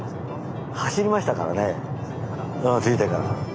走りましたからね着いてから。